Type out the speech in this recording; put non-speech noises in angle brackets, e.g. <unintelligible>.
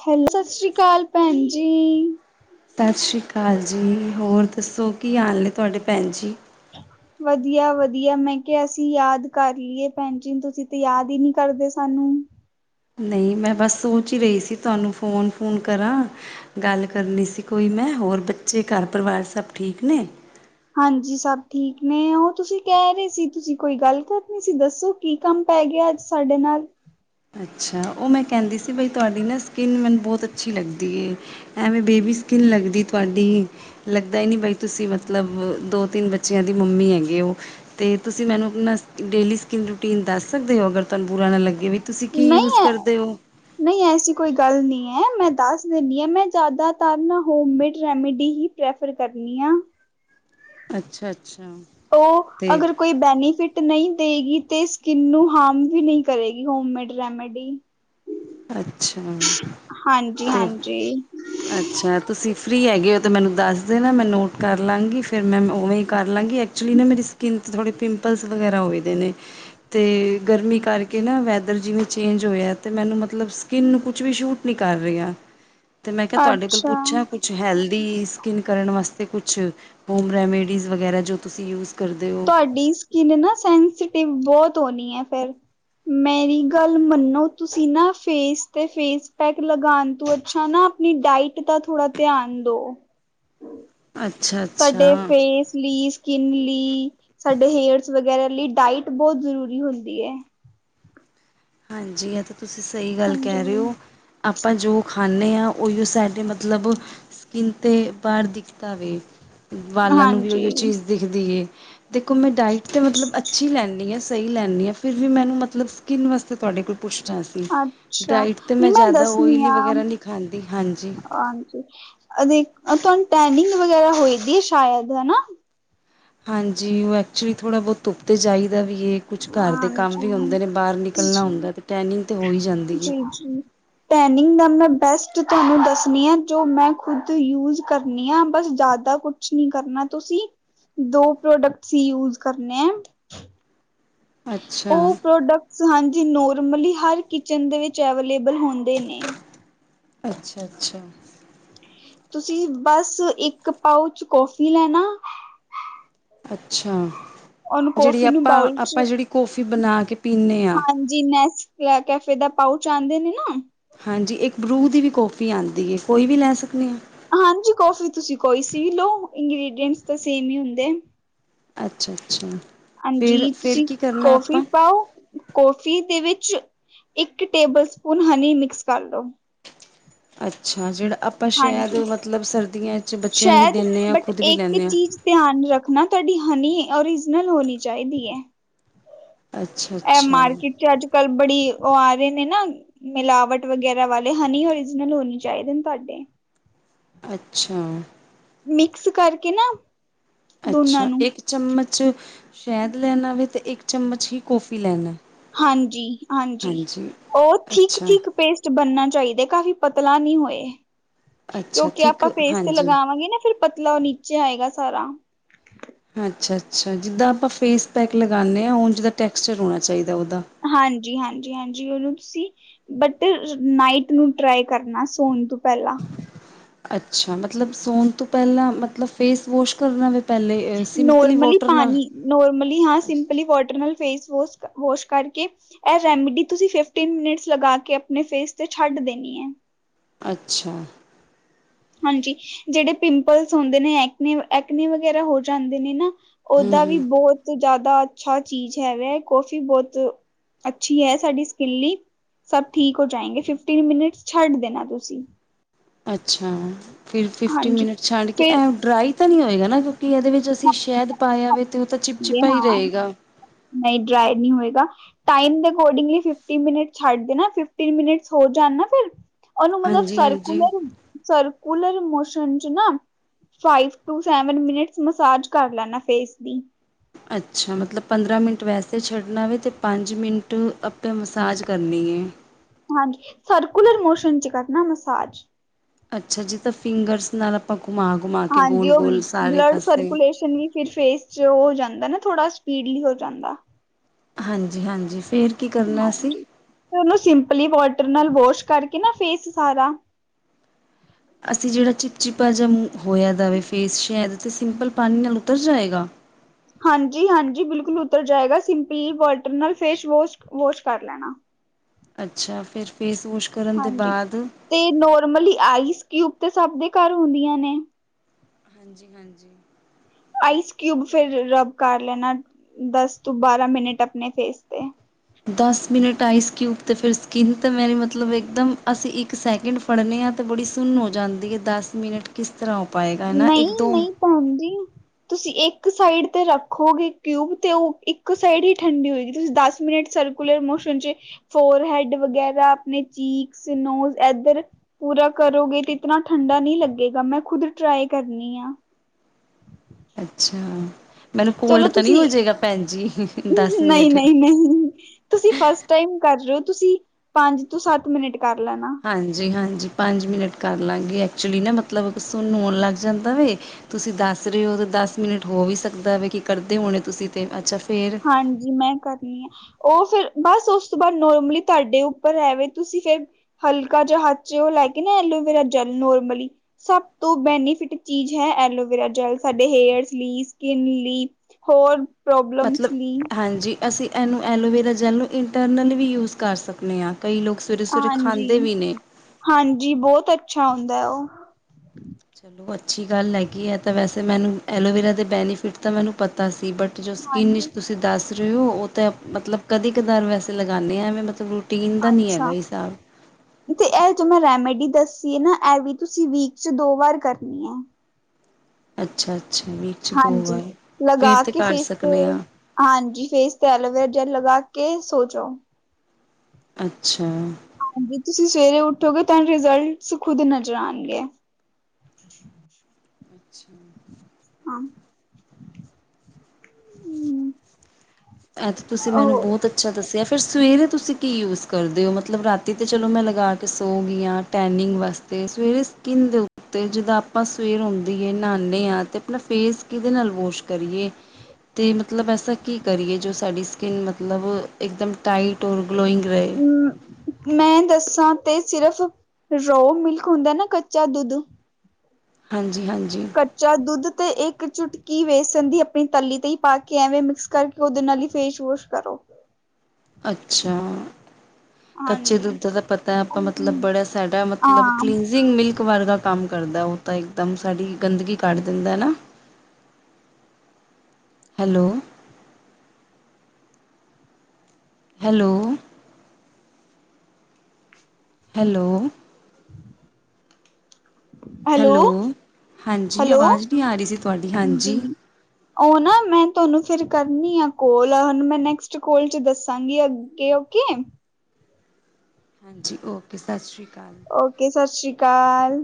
Hello ਸਤਿ ਸ੍ਰੀ ਅਕਾਲ ਭੈਣ ਜ ਸਤਿ ਸ਼੍ਰੀ ਅਕਾਲ ਜੀ ਹੋਰ ਦੱਸੋ ਕੀ ਹਾਲ ਨੇ ਤੁਹਾਡੇ ਭੈਣ ਜੀ <unintelligible> ਵਧੀਆ ਵਧੀਆ ਮੈਂ ਕਿਹਾ ਅਸੀਂ ਯਾਦ ਕਰ ਲਈਏ ਭੈਣਜੀ ਨੂੰ ਤੁਸੀਂ ਤੇ ਯਾਦ ਹੀ ਨਹੀਂ ਕਰਦੇ ਸਾਨੂੰ ਨਹੀਂ ਮੈਂ ਬਸ ਸੋਚ ਹੀ ਰਹੀ ਸੀ ਤੁਹਾਨੂੰ ਫੋਨ ਫੋਨ ਕਰਾਂ ਗੱਲ ਕਰਨੀ ਸੀ ਕੋਈ ਮੈਂ ਹੋਰ ਬੱਚੇ ਘਰ ਪਰਿਵਾਰ ਸਭ ਠੀਕ ਨੇ ਹਾਂਜੀ ਸਭ ਠੀਕ ਨੇ ਉਹ ਤੁਸੀਂ ਕਹਿ ਰਹੇ ਸੀ ਤੁਸੀਂ ਕੋਈ ਗੱਲ ਕਰਨੀ ਸੀ ਦੱਸੋ ਕੀ ਕੰਮ ਪੈ ਗਿਆ ਅੱਜ ਸਾਡੇ ਨਾਲ ਅੱਛਾ ਉਹ ਮੈਂ ਕਹਿੰਦੀ ਸੀ ਬਈ ਤੁਹਾਡੀ ਨਾ ਸਕਿੰਨ ਮੈਨੂੰ ਬਹੁਤ ਅੱਛੀ ਲੱਗਦੀ ਏ ਐਵੇਂ ਬੇਬੀ ਸਕਿੰਨ ਲੱਗਦੀ ਤੁਹਾਡੀ ਲੱਗਦਾ ਹੀ ਨਹੀ ਬਾਈ ਤੁਸੀਂ ਮਤਲਬ ਦੋ ਤਿੰਨ ਬੱਚਿਆਂ ਦੀ ਮੰਮੀ ਹੈਗੇ ਹੋ ਅਤੇ ਤੁਸੀਂ ਮੈਨੂੰ ਆਪਣਾ ਡੇਲੀ ਸਕਿੰਨ ਰੂਟੀਨ ਦੱਸ ਸਕਦੇ ਓ ਅਗਰ ਤੁਹਾਨੂੰ ਬੁਰਾ ਨਾ ਲੱਗੇ ਵੀ ਤੁਸੀਂ ਕੀ ਨਹੀਂ ਯੂਜ਼ ਹੈ ਕਰਦੇ ਹੋ ਨਹੀਂ ਐਸੀ ਕੋਈ ਗੱਲ ਨਹੀਂ ਹੈ ਮੈਂ ਦੱਸ ਦੇਣੀ ਹਾਂ ਮੈਂ ਜ਼ਿਆਦਾਤਰ ਨਾ ਹੋਮਮੇਡ ਰੈਮੀੇਡੀ ਹੀ ਪ੍ਰੈਫਰ ਕਰਨੀ ਹਾਂ ਅੱਛਾ ਅੱਛਾ ਉਹ ਅਤੇ ਅਗਰ ਕੋਈ ਬੈਨੀਫਿਟ ਤੇ ਨਹੀਂ ਦੇਗੀ ਤੇ ਸਕਿਨ ਨੂੰ ਹਾਰਮ ਵੀ ਨਹੀਂ ਕਰੇਗੀ ਹੋਮਮੇਡ ਰੈਮੇਡੀ। ਅੱਛਾ ਹਾਂਜੀ ਤੇ ਅ। ਹਾਂਜੀ ਅੱਛਾ ਤੁਸੀਂ ਫਰੀ ਹੈਗੇ ਹੋ ਤਾਂ ਮੈਨੂੰ ਦੱਸ ਦੇਣਾ ਮੈਂ ਨੋਟ ਕਰ ਲਵਾਂਗੀ ਫਿਰ ਮੈਂ ਉਵੇਂ ਹੀ ਕਰ ਲਾਂਗੀ ਐਕਚੁਲੀ ਨਾ ਮੇਰੀ। ਸਕਿੰਨ 'ਚ ਥੋੜ੍ਹੇ ਪਿੰਪਲਸ ਵਗੈਰਾ ਹੋਏਦੇ ਨੇ ਤੇ ਗਰਮੀ ਕਰਕੇ ਨਾ ਵੈਦਰ ਜਿਵੇਂ ਚੇਂਜ ਹੋਇਆ ਤੇ ਮੈਨੂੰ ਮਤਲਬ ਮਤਲਬ ਸਕਿੰਨ ਨੂੰ ਕੁਛ ਵੀ ਸ਼ੂਟ ਨੀ ਕਰ ਰਿਆਂ ਤੇ ਮੈਂ ਕਿਹਾ ਤੁਹਾਡੇ ਕੋਲ ਅੱਛਾ ਪੁੱਛਾ ਕੁ ਕੁਛ ਹੈਲਦੀ ਸਕਿੰਨ ਕਰਨ ਵਾਸਤੇ ਕੁਛ ਹੋਮ ਰੈਮੀੇਡੀਜ਼ ਵਗੈਰਾ ਜੋ ਤੁਸੀਂ ਯੂਜ਼ ਕਰਦੇ ਓ ਤੁਹਾਡੀ ਸਕਿਨ ਨਾ ਸੈਂਸੀਟਿਵ ਬਹੁਤ ਹੋਣੀ ਏ ਫੇਰ ਮੇਰੀ ਗੱਲ ਮੰਨੋ ਤੁਸੀਂ ਨਾ ਫੇਸ ਤੇ ਫੇਸ ਪੈਕ ਲਗਾਉਣ ਤੋਂ ਅੱਛਾ ਨਾ ਆਪਣੀ ਡਾਇਟ ਦਾ ਥੋੜਾ ਧਿਆਨ ਦਓ ਅੱਛਾ ਸਾਡੇ ਅੱਛਾ ਫੇਸ ਲੀਸ ਸਕਿਨ ਲਈ ਸਾਡੇ ਹੇਅਰਸ ਵਗੈਰਾ ਲਈ ਡਾਇਟ ਬਹੁਤ ਜ਼ਰੂਰੀ ਹੁੰਦੀ ਹੈ ਹਾਂਜੀ ਆ ਤਾਂ ਤੁਸੀਂ ਸਹੀ ਗੱਲ ਹਾਂਜੀ, ਕਹਿ ਰਹੇ ਹੋ। ਆਪਾਂ ਜੋ ਖਾਂਦੇ ਹਾਂ ਉਹੀਓ ਸਾਡੇ ਮਤਲਬ। ਸਕਿੰਨ ਤੇ ਬਾਹਰ ਦਿਖਦਾ ਵੇ। ਵਾਲਾਂ ਨੂੰ ਵੀ ਉਹੀਓ ਹਾਂਜੀ ਚੀਜ਼ ਦਿਖਦੀ ਏ ਦੇਖੋ ਮੈਂ ਡਾਇਟ ਤਾਂ ਮਤਲਬ ਅੱਛੀ ਲੈਂਦੀ ਹਾਂ। ਸਹੀ ਲੈਂਦੀ ਹ ਫਿਰ ਵੀ ਮੈਨੂੰ ਮਤਲਬ ਸਕਿੰਨ ਵਾਸਤੇ ਤੁਹਾਡੇ ਕੋਲੌ ਪੁੱਛਣਾ ਸੀ। ਅੱਛਾ ਡਾਇਟ ਤਾਂ ਨੀ ਮੈਂ ਜ਼ਿਆਦਾ ਦੱਸਣੀ ਹ ਓਇਲੀ ਵਗੈਰਾ ਨਹੀਂ ਖਾਂਦੀ ਹਾਂਜੀ ਹਾਂਜੀ। ਆ ਦੇਖ ਤੁਹਾਨੂੰ ਟੈਨਿੰਗ ਵਗੈਰਾ ਹੋਈ ਦੀ ਹੈ ਸ਼ਾਇਦ ਹੈ ਨਾ? ਹਾਂਜੀ, ਉਹ ਐਕਚੁਲੀ ਥੋੜ੍ਹਾ ਬਹੁਤ। ਧੁੱਪ ਤੇ ਜਾਹੀਦਾ ਵੀ ਹੈ ਕੁਛ ਘਰ ਦੇ ਕੰਮ ਵੀ ਹੁੰਦੇ ਹਾਂਜੀ। ਨੇ ਬਾਹਰ ਨਿਕਲਣਾ ਹੁੰਦਾ ਜੀ ਏ ਟੈਨਿੰਗ ਤਾਂ ਹੋ ਹੀ ਜਾਂਦੀ ਹੈ। ਜੀ ਜੀ। ਟੈਨਿੰਗ ਦਾ ਮੈਂ ਬੈਸਟ ਤੁਹਾਨੂੰ ਦੱਸਦੀ ਹਾਂ ਜੋ ਮੈਂ ਖੁਦ ਯੂਜ ਕਰਨੀ ਹਾਂ ਬਸ ਜ਼ਿਆਦਾ। ਕੁਛ ਨੀ ਕਰਨਾ ਤੁਸੀਂ ਦੋ ਪ੍ਰੋਡਕਟ ਹੀ ਯੂਜ ਕਰਨੇ ਆ। ਅੱਛਾ ਉਹ ਪ੍ਰੋਡਕਟਸ ਹਾਂਜੀ ਨੋਰਮਲੀ ਹਰ ਕਿਚਨ ਦੇ ਵਿੱਚ ਅਵੇਲੇਬਲ ਹੁੰਦੇ ਨੇ। ਅੱਛਾ ਅੱਛਾ। ਤੁਸੀਂ ਬਸ ਇੱਕ ਪਾਉਚ ਕੋਫੀ ਲੈਣਾ। ਅੱਛਾ ਉਹਨੂੰ ਜਿਹੜੀ ਕੌਫੀ ਨੂੰ ਆਪਾਂ ਬਾਊਲ ਚ ਆਪਾਂ ਜਿਹੜੀ ਕੌਫੀ ਬਣਾ ਕੇ ਪੀਂਨੇ ਹਾਂ। ਹਾਂਜੀ ਨੈਸ ਕੈਫੇ ਦਾ ਪਾਊਚ ਆਉਂਦੇ ਨੇ ਨਾ। ਹਾਂਜੀ ਇੱਕ ਬਰੂ ਦੀ ਵੀ ਕੌਫੀ ਆਉਂਦੀ ਹੈ ਕੋਈ ਵੀ ਲੈ ਸਕਦੇ ਹਾਂ। ਹਾਂਜੀ ਕੋਫੀ ਤੁਸੀਂ ਕੋਈ ਸੀ ਵੀ ਲਓ ਇੰਗ੍ਰਡੀਂਟਸ ਤਾਂ ਸੇਮ ਹੀ ਹੁੰਦੇ ਅੱਛਾ ਅੱਛਾ। ਫਿਰ ਹਾਂਜੀ ਫਿਰ ਤੁਸੀਂ ਕੀ ਕਰਨਾ ਕੌਫੀ ਆਪਾਂ ਪਾਓ। ਕਫੀ ਦੇ ਵਿੱਚ ਇੱਕ ਟੇਬਲ ਸਪੂਨ ਹਨੀ ਮਿਕਸ ਕਰ ਲੋ। ਅੱਛਾ ਜਿਹੜਾ ਆਪਾਂ ਸ਼ਾਹਿਦ ਹਾਂਜੀ ਮਤਲਬ ਸਰਦੀਆਂ ਵਿੱਚ ਬੱਚਿਆਂ ਨੂੰ ਵੀ ਸ਼ਾਇਦ ਦਿੰਦੇ ਹਾਂ ਬਟ ਖੁਦ ਵੀ ਇੱਕ ਲੈਂਦੇ ਹਾਂ। ਚੀਜ਼ ਧਿਆਨ ਰੱਖਣਾ ਤੁਹਾਡੀ ਹਨੀ ਓਰੀਜਨਲ ਹੋਣੀ ਚਾਹੀਦੀ ਹੈ। ਅੱਛਾ ਇਹ ਅੱਛਾ ਮਾਰਕੀਟ ਚ ਅੱਜ ਕੱਲ ਬੜੀ ਉਹ ਆ ਰਹੇ ਨੇ ਨਾ। ਮਿਲਾਵਟ ਵਗੈਰਾ ਵਾਲੇ ਹਨੀ ਓਰੀਜਨਲ ਹੋਣੀ ਚਾਹੀਦੇ ਨੇ ਤੁਹਾਡੇ। ਅੱਛਾ। ਮਿਕਸ ਕਰਕੇ ਨਾ। ਦੋਨਾਂ ਅੱਛਾ ਨੂੰ ਇੱਕ ਚਮਚ ਸ਼ਹਿਦ ਲੈਣਾ ਵੇ ਅਤੇ ਇੱਕ ਚਮਚ ਹੀ ਕੌਫੀ ਲੈਣਾ। ਹਾਂਜੀ, ਹਾਂਜੀ ਉਹ ਥਿਕ ਅੱਛਾ ਥਿਕ ਪੇਸਟ। ਬਣਨਾ ਚਾਹੀਦੇ, ਕਾਫ਼ੀ ਪਤਲਾ ਨੀ ਹੋਏ ਅੱਛਾ ਕਿਉਂਕਿ ਥਿੱਕ ਆਪਾਂ ਫੇਸ ਤੇ ਹਾਂਜੀ ਲਗਾਵਾਂਗੇ ਨਾ ਫਿਰ। ਪਤਲਾ ਉਹ ਨੀਚੇ ਆਏਗਾ ਸਾਰਾ। ਅੱਛਾ ਅੱਛਾ, ਜਿੱਦਾਂ ਆਪਾਂ ਫੇਸ ਪੈਕ ਲਗਾਨੇ ਹਾਂ, ਉਂਝ ਦਾ ਟੈਕਸਚਰ ਹੋਣਾ ਚਾਹੀਦਾ ਉਹਦਾ। ਹਾਂਜੀ, ਹਾਂਜੀ, ਹਾਂਜੀ, ਉਹਨੂੰ ਤੁਸੀਂ। ਬਟ ਨਾਈਟ ਨੂੰ ਟਰਾਈ ਕਰਨਾ ਸੋਣ ਤੋਂ ਪਹਿਲਾਂ। ਅੱਛਾ ਮਤਲਬ ਸੌਣ ਤੋਂ ਪਹਿਲਾਂ ਮਤਲਬ ਫੇਸ ਵੋਸ਼ ਕਰਨਾ ਵੇ। ਪਹਿਲੇ ਸਿੰਪਲੀ ਨੋਰਮਲੀ ਵੋਟਰ ਨਾਲ। ਪਾਣੀ ਨੋਰਮਲੀ ਹਾਂ ਸਿੰਪਲੀ ਵੋਟਰ ਨਾਲ ਫੇਸ ਵ ਵਾਸ਼ ਕਰਕੇ। ਇਹ ਰੈਮੀਡੀ ਤੁਸੀ ਫਿਫਟੀਨ ਮੀਨਟਸ ਲਗਾ ਕੇ ਆਪਣੇ ਫੇਸ ਤੇ ਛੱਡ ਦੇਣੀ ਹੈ। ਅੱਛਾ। ਹਾਂਜੀ, ਜਿਹੜੇ ਪਿੰਪਲਸ ਹੁੰਦੇ ਨੇ ਐਕ ਐਕਨ ਵਗੈਰਾ ਹੋ ਜਾਂਦੇ ਨੇ ਨਾ। ਉਦਾ ਵੀ ਬਹੁਤ। ਤੋਂ ਜ਼ਿਆਦਾ ਅੱਛਾ ਚੀਜ਼ ਹੈਗਾ ਕਾਫੀ ਬਹੁਤ ਅੱਛੀ ਹੈ ਸਾਡੀ ਸਕਿੱਨ ਲਈ। ਸਭ ਠੀਕ ਹੋ ਜਾਏਗੇ ਫਿਫਟੀਨ ਮਿੰਟ ਛੱਡ ਦੇਣਾ ਤੁਸੀਂ। ਅੱਛਾ, ਫਿਰ ਫਿਫਟੀਨ ਹਾਂਜੀ ਮਿੰਟ ਛੱਡ ਕੇ ਫਿਰ ਇਹ ਡਰਾਈ। ਤਾਂ ਨਹੀਂ ਹੋਏਗਾ ਨਾ ਕਿਉਂਕਿ ਇਹਦੇ ਵਿੱਚ ਅਸੀਂ ਸ਼ਹਿਦ ਪਾਇਆ ਵੇ ਤੇ ਉਹ ਤਾਂ ਚਿਪ ਚਿਪਾ ਹੀ ਹਾਂ ਰਹੇਗਾ। ਨਹੀਂ ਡਰਾਏ ਨਹੀਂ ਹੋਏਗਾ। ਟਾਇਮ ਦੇ ਅਕੋਰਡਿੰਗ ਫਿਫਟੀਨ ਮਿੰਟ ਛੱਡ ਦੇਣਾ ਫਿਫਟੀਨ ਮਿੰਟ ਹੋ ਜਾਣ ਫਿਰ। ਉਹਨੂੰ ਮਤਲਬ ਹਾਂਜੀ-ਹਾਂਜੀ ਸਰਕੂਲਰ ਸਰਕੂਲਰ ਮੋਸ਼ਨ ਚ ਨਾ। Five to seven minutes massage ਕਰ ਲੈਦਾ ਫੇਸ ਦੀ। ਅੱਛਾ, ਮਤਲਬ ਪੰਦਰਾਂ ਮਿੰਟ ਵੈਸੇ ਛੱਡਣਾ ਵਵੇ ਅਤੇ ਪੰਜ ਮਿੰਟ ਆਪਾਂ ਮਸਾਜ ਕਰਨੀ ਹੈ। ਹਾਂਜੀ, ਸਰਕੂਲਰ ਮੋਸ਼ਨ ਚ ਕਰਨਾ ਮਸਾਜ। ਅੱਛਾ ਜੀ, ਤਾਂ ਫਿੰਗਰਸ ਨਾਲ ਆਪਾਂ ਘੁਮਾ ਕੇ ਹਾਂਜੀ, ਉਹ ਗੋਲ-ਗੋਲ ਸਾਰੇ ਬਲੱਡ ਪਾਸੇ ਸਰਕੂਲੇਸ਼ਨ ਫਿਰ ਫੇਸ ਚ ਹੋ ਜਾਂਦਾ ਨਾ ਥੋੜਾ ਸਪੀਡਲੀ ਹੋ ਜਾਂਦਾ। ਹਾਂਜੀ-ਹਾਂਜੀ, ਫਿਰ ਕੀ ਕਰਨਾ ਅਸੀਂ? ਹਾਂਜੀ। ਤੇ ਉਹਨੂੰ ਸਿੰਪਲੀ ਵਾਟਰ ਨਾਲ ਵਾਸ਼ ਕਰਕੇ ਨਾ ਫੇਸ ਸਾਰਾ ਅਸੀਂ ਜਿਹੜਾ ਚਿਪਚਿਪਾ ਜ ਮੂੰਹ ਹੋਇਆ ਜਾਵੇ, ਫੇਸ ਸ਼ਹਿਦ 'ਤੇ ਸਿੰਪਲ ਪਾਣੀ ਨਾਲ ਉਤਰ ਜਾਵੇਗਾ। ਹਾਂਜੀ-ਹਾਂਜੀ, ਬਿਲਕੁਲ ਉਤਰ ਜਾਏਗਾ ਸਿੰਪਲੀ ਵਾਟਰ ਨਾਲ ਫੇਸ ਵੋਸ਼ ਵੋਸ਼ ਕਰ ਲੈਣਾ। ਅੱਛਾ, ਫਿਰ ਫੇਸ ਵੋਸ਼ ਕਰਨ ਦੇ ਹਾਂਜੀ ਬਾਅਦ ਤੇ ਨੋਰਮਲੀ ਆਈਸ ਕਿਊਬ ਤੇ ਸਭ ਦੇ ਘਰ ਹੁੰਦੀਆਂ ਨੇ। ਹਾਂਜੀ-ਹਾਂਜੀ। ਆਈਸ ਕਿਊਬ ਫਿਰ ਰਬ ਕਰ ਲੈਣਾ, ਦਸ ਤੋਂ ਬਾਰਾਂ ਮਿੰਟ ਆਪਣੇ ਫੇਸ ਤੇ। ਦਸ ਮਿੰਟ ਆਈਸ ਕਿਊਬ ਤੇ ਫਿਰ ਸਕਿੰਨ ਤਾਂ ਮੇਰੀ ਮਤਲਬ ਇੱਕਦਮ ਅਸੀਂ ਇੱਕ ਸੈਕਿੰਡ ਪੜ੍ਹਨੇ ਹਾਂ, ਤਾਂ ਬੜੀ ਸੁੁੰਨ ਹੋ ਜਾਂਦੀ ਹੈ ਦਸ ਮਿੰਟ ਕਿਸ ਤਰ੍ਹਾਂ ਉਹ ਪਾਏਗਾ ਹੈ ਨਾ ਇੱਕ-ਦੋ ਹਾਂਜੀ। ਤੁਸੀਂ ਇੱਕ ਸਾਈਡ ਤੇ ਰੱਖੋਗੇ ਕਿਊਬ ਤੇ ਉਹ ਇੱਕ ਸਾਈਡ ਹੀ ਠੰਡੀ ਹੋਏਗੀ ਤੁਸੀਂ ਦਸ ਮਿੰਟ ਸਰਵ ਸਰਕੂਲਰ ਮੋਸ਼ਨ ਚ ਫੋਰ ਹੈਡ ਵਗੈਰਾ ਆਪਣੇ ਚੀਕਸ, ਨੋਜ ਇਧਰ ਪੂਰਾ ਕਰੋਗੇ ਤੇ ਇਤਨਾ ਠੰਡਾ ਨਹੀਂ ਲੱਗੇਗਾ ਮੈਂ ਖੁਦ ਟਰਾਈ ਕਰਨੀ ਆ। ਅੱਛਾ, ਮੈਨੂੰ ਚਲੋ ਕੋਲਡ ਤਾਂ ਨਹੀਂ ਤੁਸੀਂ ਹੋਜੇਗਾ ਭੈਣ ਜੀ, ਦਸ ਨਹੀਂ ਮਿੰਨਟ। ਨਹੀਂ ਨਹੀਂ। ਤੁਸੀਂ ਫਸਟ ਟਾਈਮ ਕਰ ਰਹੇ ਹੋ ਤੁਸੀਂ ਪੰਜ ਤੋਂ ਸੱਤ ਮਿੰਟ ਕਰ ਲੈਣਾ। ਹਾਂਜੀ-ਹਾਂਜੀ, ਪੰਜ ਮਿੰਟ ਕਰ ਲਵਾਂਗੀ ਐਕਚੁਲੀ ਨਾ ਮਤਲਬ ਨ ਸੁਣ ਹੋਣ ਲੱਗ ਜਾਂਦਾ ਵੇ। ਤੁਸੀਂ ਦੱਸ ਰਹੇ ਹੋ ਤਾਂ ਦਸ ਮਿੰਟ ਹੋ ਵੀ ਸਕਦਾ ਵੇ ਕਿ ਕਰਦੇ ਹੋਣੇ ਤੁਸੀਂ ਤੇ ਅੱਛਾ ਫੇਰ ਹਾਂਜੀ, ਮੈਂ ਕਰੀ ਹਾਂ। ਉਹ ਫਿਰ ਬਸ ਉਸ ਤੋਂ ਬਾਅਦ ਨੋਰਮਲੀ ਤੁਹਾਡੇ ਉੱਪਰ ਹੈਵੇ ਤੁਸੀਂ ਫਿਰ ਹਲਕਾ ਜਿਹਾ ਹੱਥੇ ਉਹ ਲੈ ਕੇ ਨਾ ਐਲੋਵੇਰਾ ਜੈਲ ਨੋਰਮਲੀ ਸਭ ਤੋਂ ਬੈਨੀਫਿਟ ਚੀਜ਼ ਹੈ, ਐਲੋਵੇਰਾ ਜੈਲ ਸਾਡੇ ਹੇਅਰਸ ਲਈ, ਸਕਿਨ ਲਈ। ਹੋਰ ਪ੍ਰੋਬਲਮਸ। ਮਤਲਬ ਲਈ ਹਾਂਜੀ, ਅਸੀਂ ਇਹਨੂੰ ਐਲੋਵੇਰਾ ਜੈਲ ਨੂੰ ਇੰਟਰਨਲ ਵੀ ਯੂਜ ਕਰ ਸਕਦੇ ਹਾਂ ਕਈ ਲੋਕ ਸਵੇਰੇ-ਸਵੇਰੇ ਖਾਂਦੇ ਹਾਂਜੀ- ਵੀ ਨੇ ਹਾਂਜੀ, ਬਹੁਤ ਅੱਛਾ ਹੁੰਦਾ ਹੈ ਉਹ। ਚਲੋ ਅੱਛੀ ਗੱਲ ਹੈਗੀ ਹੈ। ਤਾਂ ਵੈਸੇ ਮੈਨੂੰ ਐਲੋਵੇਰਾ ਦੇ ਬੈਨੀਫਿਟ ਤਾਂ ਮੈਨੂੰ ਪਤਾ ਸੀ ਬਟ ਜੋ ਸਕਿੰਨ ਵਿੱਚ ਹਾਂਜੀ ਤੁਸੀਂ ਦੱਸ ਰਹੇ ਹੋ ਉਹ ਤਾਂ ਮਤਲਬ ਕਦੇ- ਕਦਾਰ ਵੈਸੇ ਲਗਾਉਨੀ ਆ ਮਤਲਬ। ਪੀਣ ਦਾ ਨਹੀਂ ਹੈਗਾ ਅੱਛਾ ਹਿਸਾਬ। ਤੇ ਇਹ ਜੋ ਮੈਂ ਰੈਮੇਡੀ ਦੱਸੀ ਹੈ ਨਾ ਇਹ ਵੀ ਤੁਸੀਂ ਵੀਕ ਚ ਦੋ ਵਾਰ ਕਰਨੀ ਹੈ। ਅੱਛਾ-ਅੱਛਾ ਵੀ ਹਾਂਜੀ ਲਗਾ ਕੇ ਫੇਸ ਤੇ ਹਾਂ ਹਾਂਜੀ। ਫੇਸ ਤੇ ਐਲੋਵੇਅਰ ਜੈਲ ਲਗਾ ਕੇ ਸੌ ਜਾਓ। ਅੱਛਾ। ਚ ਤੁਸੀਂ ਸਵੇਰੇ ਉੱਠੋਗੇ ਤੁਹਾਨੂੰ ਰਿਜ਼ਲਟਸ ਖੁਦ ਨਜ਼ਰ ਆਉਣਗੇ। <inaudible> ਅੱਛਾ। ਹਾਂ। ਹੂੰ। ਅੱਜ ਤੁਸੀਂ ਮੈਨੂੰ ਉਹ ਬਹੁਤ ਅੱਛਾ ਦੱਸਿਆ, ਫਿਰ ਸਵੇਰੇ ਤੁਸੀਂ ਕੀ ਯੂਜ ਕਰਦੇ ਹੋ? ਮਤਲਬ ਰਾਤੀ ਤਾਂ ਚਲੋ ਮੈਂ ਲਗਾ ਕੇ ਸੌ ਗਈ ਹਾਂ ਟੈਨਿੰਗ ਵਾਸਤੇ ਤੇ ਸਵੇਰੇ ਸਕਿਨ ਦੇ ਉਤ ਤੇ ਜਿੱਦਾਂ ਆਪਾਂ ਸਵੇਰ ਆਉਂਦੀਏ ਨਹਾਦੇ ਹਾਂ ਤੇ ਆਪਣਾ ਫੇਸ ਕਿਹਦੇ ਨਾਲ ਵੋਸ਼ ਕਰੀਏ? ਤੇ ਮਤਲਬ ਐਸਾ ਕਿ ਕਰੀਏ ਜੋ ਸਾਡੀ ਸਕਿਨ ਮਤਲਬ ਇੱਕਦਮ ਟਾਈਟ ਔਰ ਗਲੋਇੰਗ ਰਹੇ। ਮੈਂ ਦੱਸਾਂ ਤੇ ਸਿਰਫ਼ ਰੋ ਮਿਲਕ ਹੁੰਦਾ ਨਾ ਕੱਚਾ ਦੁੱਧ ਹਾਂਜੀ ਹਾਂਜੀ। ਕੱਚਾ ਦੁੱਧ ਤੇ ਇੱਕ ਚੁਟਕੀ ਵੇਸਣ ਦੀ ਆਪਣੀ ਤੱਲੀ ਤੇ ਹੀ ਪਾ ਕੇ ਐਵੇਂ ਮਿਕਸ ਕਰਕੇ। ਉਹਦੇ ਨਾਲ ਹੀ ਫੇਸ ਵਾਸ਼ ਕਰੋ। ਅੱਛਾ। ਕੱਚੇ ਹਾਂਜੀ, ਦੁੱਧ ਦਾ ਪਤਾ, ਆਪਾਂ ਮਤਲਬ ਬੜਾ ਸਾਡਾ ਮਤਲਬ ਹਾਂ, ਕਲੀਨਜਿੰਗ ਮਿਲਕ। ਇੱਕ ਵਾਰ ਦਾ ਕੰਮ ਕਰਦਾ ਉਹ ਤਾਂ। ਇੱਕਦਮ ਸਾਡੀ ਗੰਦਗੀ ਕੱਢ ਦਿੰਦਾ ਨਾ। Hello hello hello hello? ਹਾਂਜੀ ਹੈਲੋ, ਆਵਾਜ਼ ਨਹੀਂ ਆ ਰਹੀ ਸੀ ਤੁਹਾਡੀ, ਜੀ। ਹਾਂਜੀ। ਉਹ ਨਾ ਮੈਂ ਤੁਹਾਨੂੰ ਫਿਰ ਕਰਨੀ ਆ ਕੋਲ, ਹੁਣ ਮੈਂ ਨੈਕਸਟ ਕਾਲ ਚ ਦੱਸਾਂਗੀ। ਕਿ ਓਕੇ ਏ। ਹਾਂਜੀ। ਓਕੇ ਸਤਿ ਸ਼੍ਰੀ ਅਕਾਲ। ਓਕੇ ਸਤਿ ਸ਼੍ਰੀ ਅਕਾਲ।